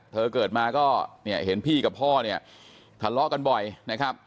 เกิดมาก็เนี่ยเห็นพี่กับพ่อเนี่ยทะเลาะกันบ่อยนะครับ